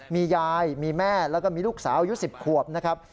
มียายมีแม่แล้วก็มีลูกสาวอายุ๑๐ขวบนะครับ